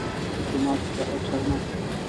ډيپلومات له چارواکو سره ناستې کوي.